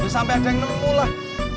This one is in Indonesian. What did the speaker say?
sampai ada yang nemu lah